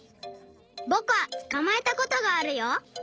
ぼくはつかまえたことがあるよ！